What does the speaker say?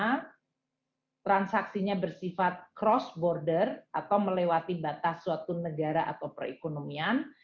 karena transaksinya bersifat cross border atau melewati batas suatu negara atau perekonomian